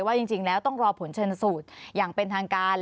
ว่าจริงแล้วต้องรอผลชนสูตรอย่างเป็นทางการ